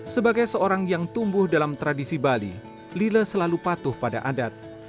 sebagai seorang yang tumbuh dalam tradisi bali lila selalu patuh pada adat